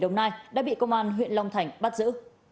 hôm nay đã bị công an huyện long thành bắt giữ